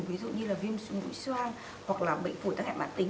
ví dụ như là viêm mũi xoang hoặc là bệnh phủ tắc hẹp bản tính